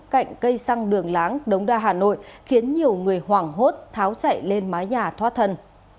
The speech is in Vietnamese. cạnh cây xăng đường láng đống đa hà nội khiến nhiều người hoảng hốt tháo chạy lên mái nhà thoát thần